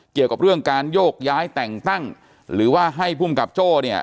เกี่ยวกับเรื่องการโยกย้ายแต่งตั้งหรือว่าให้ภูมิกับโจ้เนี่ย